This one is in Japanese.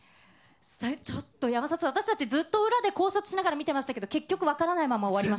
ちょっと山里さん、私たち、ずっと裏で考察しながら見てましたけど、結局、全然分からないです。